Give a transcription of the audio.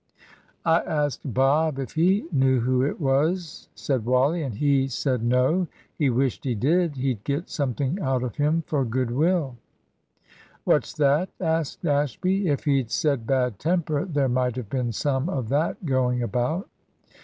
"I asked Bob if he knew who it was," said Wally, "and he said, `No, he wished he did; he'd get something out of him for good will.'" "What's that?" asked Ashby. "If he'd said bad temper, there might have been some of that going about."